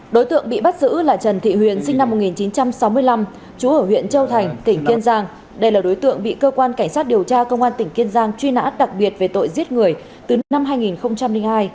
đối tượng bị bắt giữ là trần thị huyền sinh năm một nghìn chín trăm sáu mươi năm chú ở huyện châu thành tỉnh kiên giang đây là đối tượng bị cơ quan cảnh sát điều tra công an tỉnh kiên giang truy nã đặc biệt về tội giết người từ năm hai nghìn hai